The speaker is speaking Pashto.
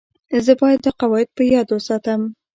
زه باید دا قواعد په یاد وساتم.